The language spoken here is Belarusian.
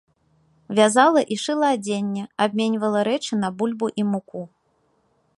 Вязала і шыла адзенне, абменьвала рэчы на бульбу і муку.